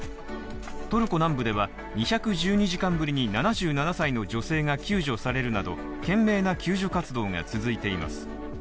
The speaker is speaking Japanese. トルコ南部では２１２時間ぶりに７７歳の女性が救助されるなど懸命な救助活動が続いています。